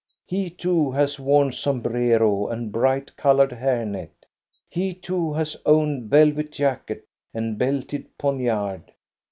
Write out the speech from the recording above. He too has worn sombrero and bright colored hair net; he too has owned velvet jacket and belted poniard.